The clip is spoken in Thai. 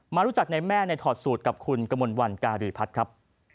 รู้จักในแม่ในถอดสูตรกับคุณกมลวันการีพัฒน์ครับ